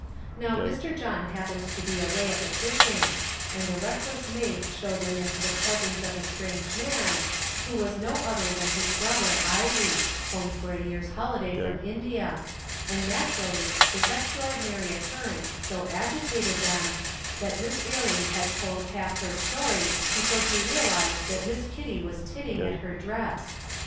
Now Mr. John happened to be away at the fishing, and a reckless maid showed them into the presence of a strange man, who was no other than his brother Ivie, home for a year's holiday from India, and naturally this extraordinary occurrence so agitated them that Miss Ailie had told half her story before she realized that Miss Kitty was titting at her dress.